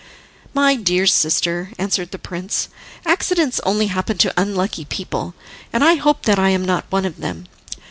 "My dear sister," answered the prince, "accidents only happen to unlucky people, and I hope that I am not one of them.